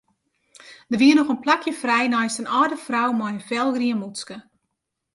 Der wie noch in plakje frij neist in âlde frou mei in felgrien mûtske.